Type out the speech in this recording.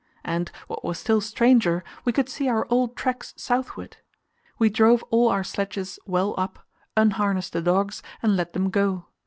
And, what was still stranger, we could see our old tracks southward. We drove all our sledges well up, unharnessed the dogs, and let them go.